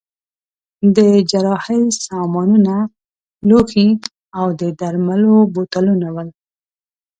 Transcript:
د جراحۍ سامانونه، لوښي او د درملو بوتلونه ول.